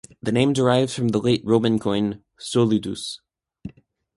The name derives from the late Roman coin "solidus".